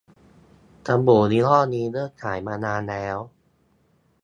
แชมพูยี่ห้อนี้เลิกขายมานานแล้ว